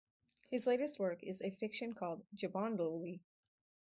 His latest work is a fiction called "Jibondhuli".